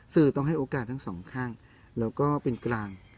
สื่อต้องให้โอกาสทั้งสองข้างแล้วก็เป็นกลาง